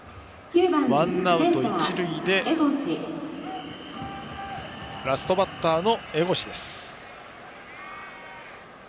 ワンアウト一塁でラストバッターの江越です。